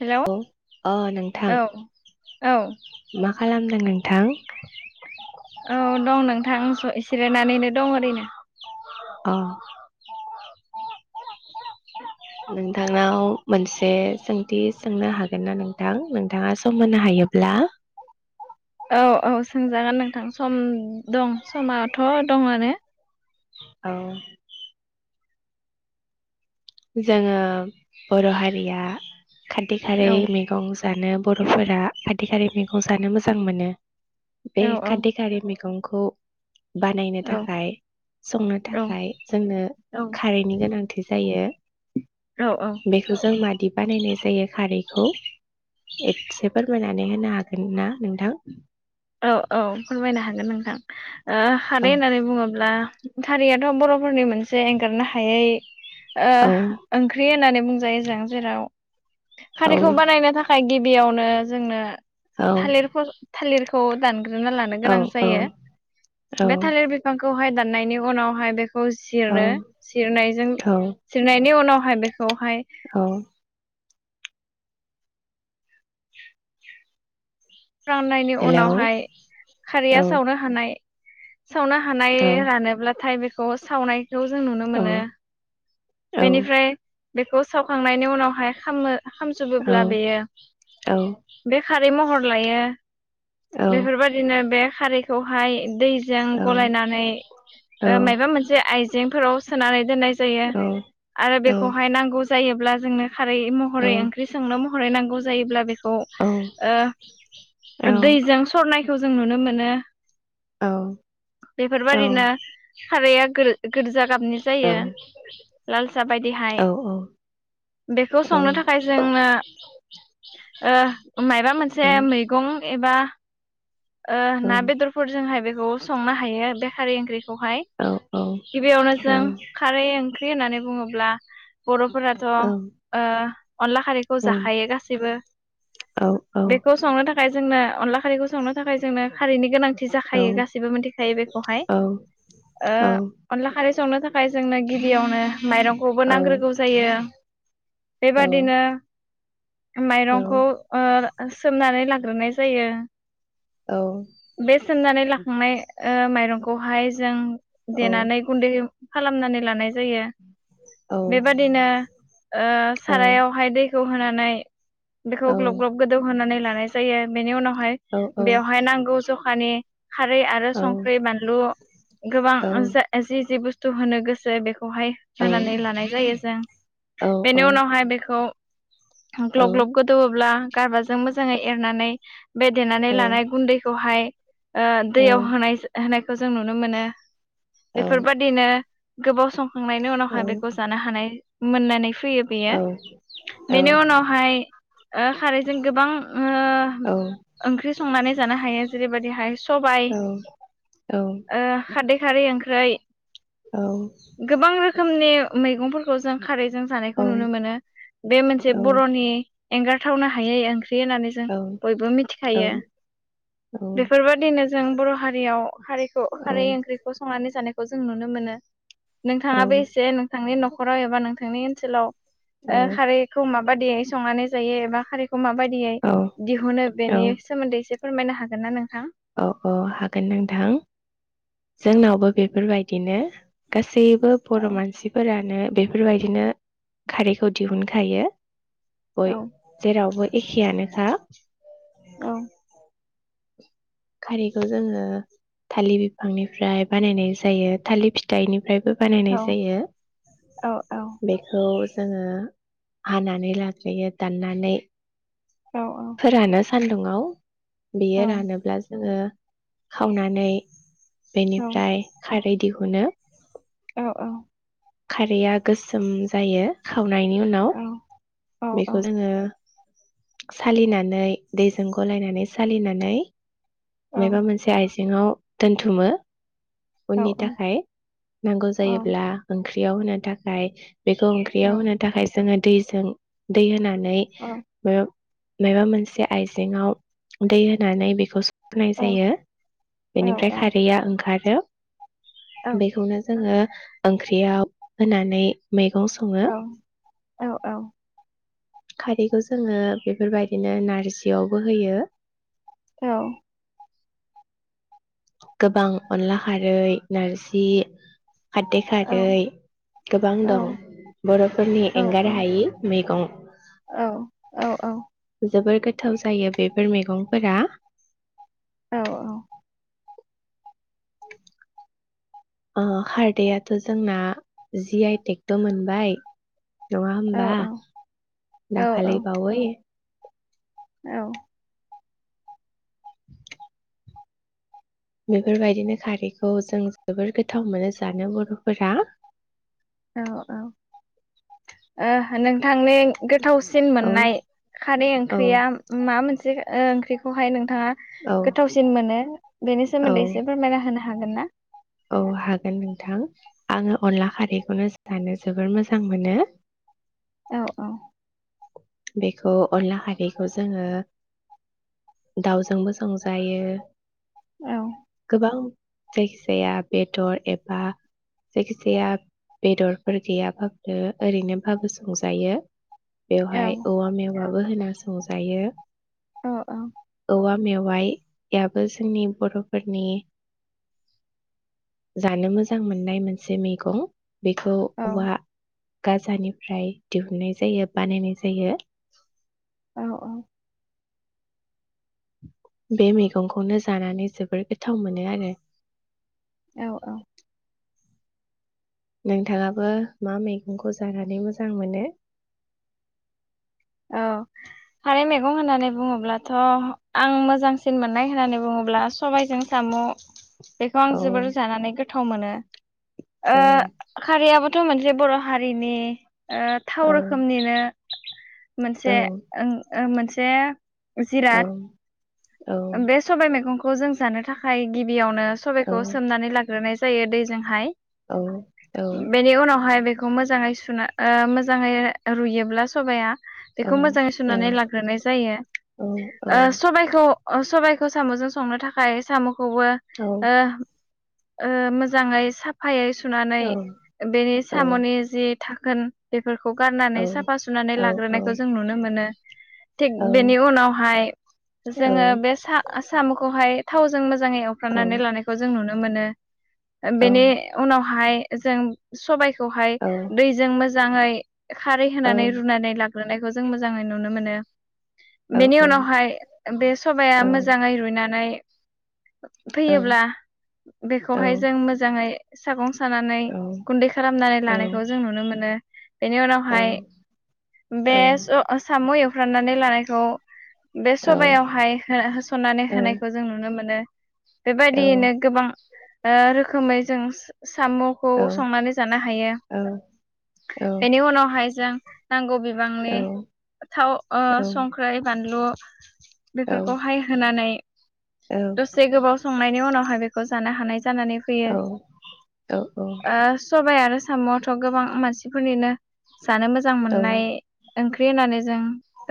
Hello अ नोंथां औ औ मा खालामदों नोंथां? औ दं नोंथां जिरायनानैनो दं ओरैनो अ नोंथांनाव मोनसे सोंथि सोंनो हागोन ना नोंथां नोंथाङा सम होनो हायोब्ला औ औ सोंजागोन नोंथां सम दं समाथ' दङनो औ जोङो बर' हारिया खारदै खारै औ मैगं जानो बर'फोरा खारदै खारै मैगं जानो मोजां मोनो बे औ औ खारदै खारै मैगं खौ बानायनो औ थाखाय संनो औ थाखाय जोंनो खारैनि गोनां। थि जायो। औ औ। बेखौ जों मादि बानायनाय जायो खारैखौ एसे फोरमायनानै होनो हागोन ना नोंथां? औ औ फोरमायनो हागोन नोंथां। ओ खारै औ होननानै बुङोब्ला खारैयाथ'' बर' फोरनि मोनसे एंगारनो हायै ओ औ ओंख्रि होननानै बुंजायो जों जेराव औ खारैखौ बानायनो थाखाय गि बियावनो जोंनो। थालिर फस थालिर। खौ दा ग्रोना लानो गोनां जायो ओमफाय थालिर बिफां। खौहाय दाननायनि उनावहाय बे। खौ जिरो जिरनायजों जिरनायनि उनाव। [unintelligible] खौहाय। राननायनि उनावहाय खारैया सावनो हानाय। सावनो हानाय रानोब्लाथाय बे खौ सावनाय। खौ जों नुनो मोनो बेनिफ्राय। बेखौ सावखांनायनि उनावहाय खामो। खालामजोबोब्ला बेयो बे खारै महर। लायो बेफोरबायदिनो बे खारि। खौहाय। दैजों गलायनानै ओ मायबा मोनसे आइजें। फोराव सोनानै दोननाय। जायो आरो बेखौहाय नांगौ जायो। ब्ला जोंनो। खारै महरै ओंख्रि सोंनो महरै नांगौ। जायोब्ला बे औ। दैजों स फनायखौ जों नुनो मोनो। बेफोरबायादिनो खारैया गोर-गोरजा गाबनि जायो लाल सा बायदिहाय बेखौ संनो थाखाय जोंनो ओ माइबा मोनसे से मैगं एबा ओ ना बेदरफोरजोंहाय बे गस संनो हायो बे खारै ओंख्रिखौहाय गिबियावनो जों खारै ओंख्रि ख्रि होननानै बुङोब्ला बर'फोराथ' ओ अनला खारैखौ जाखायो गासिबो बेखौ संनो थाख खाय जोंनो अनला खारैखौ संनो थाखाय जोंनो खारिनि गोनांथि थि जाखायो गासिबबो मोनथि खायो बेखौहाय ओ अनला खारै संनो था खाय जोंनो गिबियावनो माइरंखौबो नांग्रोगौ जायो बेबादिनो माइरंखौ ओ सोमनानै लाग ग्रोनाय जायो। औ। बे सोमनानै लाखांनाय ओ माइरंखौहाय जों देनानै गुन्दै खालामनानै लानाय जायो बेबादिनो ओ सारायावहाय दै खौ होनानै बेखौ ग्लब ग्लब गोदौ होनानै ला नाय जायो बेनि उनाव हाय बेवहाय नांगौ ज'खानि खारै आरो औ संख्रि बानलु गोबां जि जि बुस थु होनो गोसो बे खौहाय होनानै लानाय जायो जों बेनि उनावहाय बेखौ ग्लब ग्लब गोदौवोब्ला गारबाजों मोजाङै एरनानै बे देनानै लानाय गुन्दै हाय ओ दैयाव होनाय होनाय खौ जों नुनो मोनो बेफोरबादिनो गोबाव सम खांनायनि उनावहाय बेखौ जानो हानाय मोननानै फैयो बेयो बेनि उनावहाय ओ खारैजों गोबां ओ-ओंख्रि संनानै जानो हायो जेरैबादिहाय सबाय ओ खारदै खारै ओंख्रै औ । खोमनि मैगंफोरखौ जों खारै जों जानायखौ नुनो मोनो बे मोनसे बर'नि एंगारथावनो हायै ओं ख्रि होननानै जों बयबो मिथिखायो बेफोरबायदि नो जों बर' हारियाव खारैखौ खारै ओंख्रिखौ संनानै जानायखौ खौ जों नुनो मोनो। नोंथाङाबो एसे नोंथांनि न'खर नखराव एबा नोंथांनि ओनसोलाव औ ओ खारैखौ मा बायदियै संनानै जायो एबा खारै खौ माबायदियै औ दिहुनो बेनि सोमोन्दै एसे फोरमायनो हागोन ना नों औ औ हागोन नोंथां औ जोंनावबो बेफोरबायदिनो गासैबो औ बर' मानसिफोरानो बेफोरबायदिनो खारैखौ दिहुनखायो। बय औ जेरावबो एखेयानोखा औ खारैखौ जोङो थालिर बिफांनिफ्राय बानायनाय जायो थालिर फिथाइनिफ्रायबो औ बानायनाय जायो औ औ बेखौ जोङो हानानै लाग्रोयो दाननानै औ फोरानो सान्दुंआव औ बेयो रानोब्ला जोङो खावनानै औ बेनिफ्राय खारदै बायदिखौनो औ औ खारैया गोसोम जायो खावनायनि उनाव औ औ बेखौ जोङो सालिनानै दैजों गलायनानै सालिनानै सिङाव दोनथुमो औ उननि थाखाय नांगौ जायोब्ला ओंख्रियाव होनो थाखाय बेखौ ओंख्रियाव होनो थाखाय जोङो दैजों दै होनानै नै म [unintelligible] माबा मोनसे आइजेंआव दै होनानै बेखौ सर होनाय जायो बेनिफ्राय खारैया ओंखारो बेखौनो जोङो ओंख्रियाव होनानै मै सङो औ औ खारैखौ जोङो बेफोरबायदिनो नारजियावबो होयो। औ गोबां अनला खारै नारजि खारदै खारै गोबां औ दं बर'फोरनि एंगार हायि मैगं। औ औ-औ जोबोर गोथाव जायो बेफोर मैगंफोरा। औ औ ओ खारदैआथ' जोंना जि आइ टेक बो मोनबाय। नङा हम्बा दाखालि बावै औ बेफोरबायदिनो खारैखौ जों जोबोर गोथाव मोनो जानो बर'फोरा। औ औ ओ नोंथांनि गोथाव सिन औ मोननाय खारै औ ओंख्रिया माबा मोनसे ओ ओंख्रिखौहाय नों नोंथाङा औ गोथावसिन मोनो बेनि औ सोमोन्दै एसे फोरमायना होनो हागोन ना? औ हागोन नोंथां आङो अनला खारैखौनो जानो जोबोर मोजां मोनो। औ औ बेखौ अनला खारैखौ जोङो दाउजोंबो संजायो। औ गोबां जायखिजाया बेदर एबा जायखिजाया बेदरफोर गैयाबाबो ओरैनोबाबो संजायो। औ बेवहाय औवा मेवा बो होना संजायो। औ औ औवा मेवाइयाबो जोंनि बर'फोरनि जानो मोजां मोननाय मोनसे मैगं बेखौ औवा गाजानिफ्राय दिहुननाय जायो। बानायनाय जायो। औ औ बे मैगंखौनो जानानै जोबोर गोथाव मोनो आरो औ औ नोंथाङाबो मा मैगंखौ जानानै मोजां मोनो? औ खारै मैगं होननानै बुङोब्लाथ' आं मोजांसिन मोननाय होननानै बुङोब्ला सबाइजों साम। बेखौ आं औ जोबोर जानानै गो गोथाव मोनो। ओ औ खारियाबो थ' मोनसे बर' हारिनि औ थाव रोखोमनिनो औ मोनसे ओं ओ मोनसे उ औ जिरात औ बे सबाय मैगं खौ जों जानो थाखाय गिबि बेयावनो सबायखौ सोमनानै ला ग्रोननाय जायो दैजोंहाय। औ बेनि उनावहाय बे बे खौ मोजाङै सुना ओ मोजाङै रुयोब्ला सबाया औ बेखौ मोजाङै औ सुनानै लाग्रोनाय जायो ओ सबायखौ सबाइखौ साम'जों संनो थाखाय साम' खौबो ओ ओ मोजाङै साफायै थुनानै बेनि साम'नि जि थाखोन बे फोरखौ गारनानै साफा सुनानै लाग्रोनायखौ जों नुनो मोनो। थिग बेनि उनावहाय जोङो सा साम'खौ [unintelligible] हाय थावजों मोज मोजाङै एवफ्रामनानै लानायखौ जों नुनो मोनो। बेनि उनावहाय जों सबाय खौहाय दैजों मोज मोजाङै खारै होनानै रुनानै लाग ग्रोनायखौ जों मोजाङै नुनो मोनो। बेनि उनावहाय बेस [unintelligible] मोजाङै रुयना जानाय फैयोब्ला बेखौहाय जों मोजाङै सागं सानानै गुन्दै खालामनानै लानायखौ जों नुनो मोनो बेनि उनावहाय बे स साम' एव एवफ्रामनानै लानायखौ बे सबायावहाय होसननानै होनायखौ जों नुनो मोनो। बेबायदियैनो गोबां ओ रोखोमै जों साम'खौ संनानै जानो हायो बेनि उनावहाय जों नांगौ बिबांनि थाव ओ संख्रै, बानलु [inaudible] फोरखौहाय होनानै दसे गोबाव संनायनि उनाव [unintelligible] बेखौ जानो हानाय जानानै फैयो ओ सबाय आरो आसामावथ' गोबां मानसिफोरनिनो जानो मोजां मोननाय। ओंख्रि होननानै जों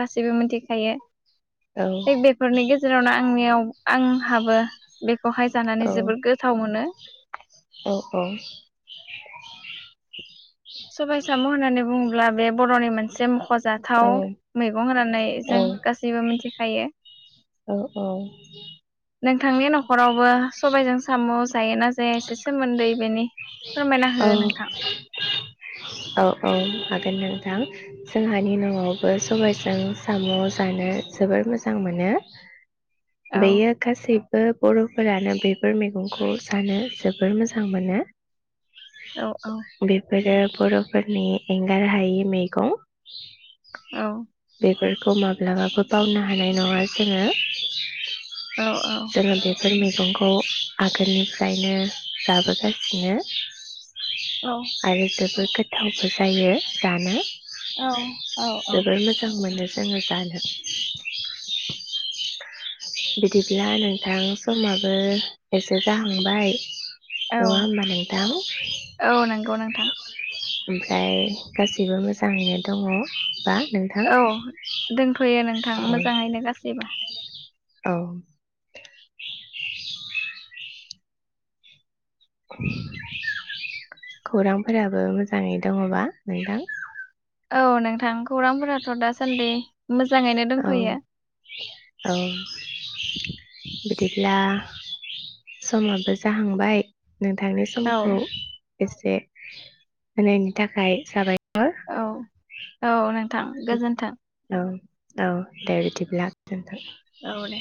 गासैबो मिथिखायो। थिग बेफोरनि गेजेरावनो आंनियाव आंहाबो बेखौहाय जानानै जोबोर गोथाव मोनो। सबाय सामु होननानै बुङोब्ला बे बर'नि मोनसे मुख जाथाव मैगं होनानै जों गासैबो मिथिखायो। औ औ। नोंथांनि न'खरावबो सबायजों साम' जायोना जाया एसे सोमोन्दै बेनि फोरमायना हो नोंथां। औ औ हागोन नोंथां जोंहानि न'आवबो सबायजों साम' जानो जोबोर मोजां मोनो। [inaudible] औ बेयो गासै बर'फोरानो बेफोर मैगंखौ जानो। जोबोर मोजां मोनो। औ औ बेफोरो। बर'फोरनि एंगार हायि मैगं औ। बेफोरखौ माब्लाबाबो बावनो हानाय नङा जोङो औ औ जोङो द- बेफोर मैगंखौ आगोलनिफ्रायनो जाबोगासिनो औ आरो जोब- जोबोद गोथावबो जायो जानो औ जोबोर मोजां मोनो जोङो जानो। बिदिब्ला नोंथां समाबो एसे जाहांबाय औ नङा होनबा नोंथां। औ नंगौ नोंथां ओमफ्राय गासिबो मोजाङैनो दङ बा। नोंथां औ दोनथ'यो नोंथां औ मोजाङैनो गासैबो। औ। खौरांफोराबो मोजाङै दङबा नोंथां। औ नोंथां खौरांफोराथ' दासान्दि‌। मोजाङैनो औ दंथ'यो। औ। बिदिब्ला समाबो जाहांबाय नोंथांनि औ समखौ एसे होनायनि थाखाय साबाय औ औ नों थां औ औ दे बेदिब्ला औ दे